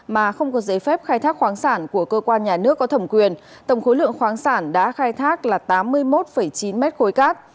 mà không có giấy phép khai thác khoáng sản của cơ quan nhà nước có thẩm quyền tổng khối lượng khoáng sản đã khai thác là tám mươi một chín mét khối cát